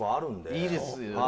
いいですよね。